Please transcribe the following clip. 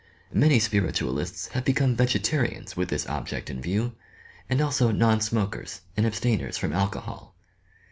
Many spiritualists have become vegetarians with this object in view, and also non smokers and abstainers from alcohol.